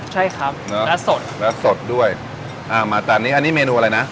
ใช่ครับเนื้อสดหน้าสดด้วยอ่ามาจานนี้อันนี้เมนูอะไรนะ